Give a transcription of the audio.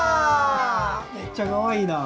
めっちゃかわいいな。